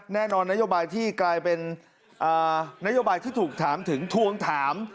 แน่นอนนโยบายที่กลายเป็นนโยบายที่ถูกถามถึงทวงถาม